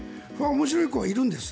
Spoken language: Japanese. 面白い子がいるんです。